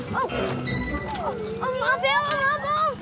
maaf ya pak maaf pak